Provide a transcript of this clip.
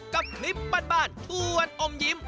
กับคลิปบ้านชวนอมยิ้ม